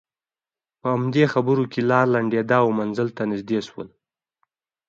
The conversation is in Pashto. په همدې خبرو کې لاره لنډېده او منزل ته نژدې شول.